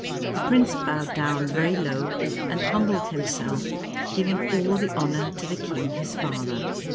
The prince bowed down very low, and humbled himself, giving all the honor to the king his father.